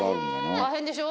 大変でしょ？